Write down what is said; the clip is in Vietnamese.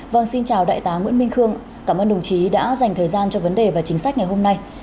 vâng xin chào đại tá nguyễn minh khương cảm ơn đồng chí đã dành thời gian cho vấn đề và chính sách ngày hôm nay